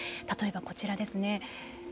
例えば、こちらです。